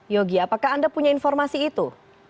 yogi apakah anda punya informasi itu